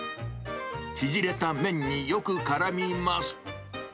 縮れた麺によくからみます。